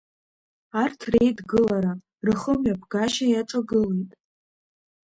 Арҭ реидгылара, рыхымҩаԥгашьа иаҿагылеит.